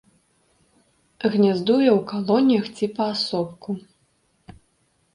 Гняздуе ў калоніях ці паасобку.